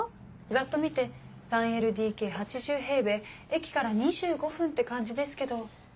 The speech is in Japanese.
ざっと見て３ＬＤＫ８０平米駅から２５分って感じですけど。